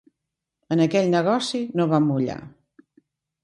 En aquell negoci no vam mullar.